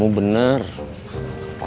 dah pasti rita